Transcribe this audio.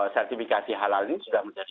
sertifikasi halal ini sudah menjadi